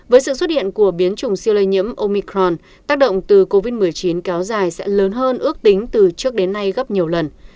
với sự xuất hiện của biến chủng siêu lây nhiễm omicron tác động từ covid một mươi chín kéo dài sẽ lớn hơn ước tính từ trước đến nay gấp nhiều lần